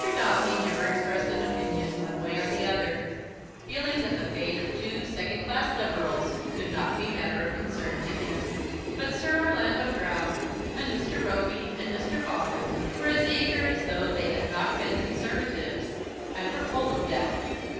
Daubeny never expressed an opinion one way or the other, feeling that the fate of two second class Liberals could not be matter of concern to him; but Sir Orlando Drought, and Mr. Roby, and Mr. Boffin, were as eager as though they had not been Conservatives, and were full of doubt.